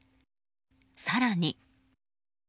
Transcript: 更に。